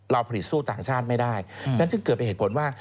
เราผลิตสู้ต่างชาติไม่ได้นั่นคือเกือบเป็นเหตุผลว่า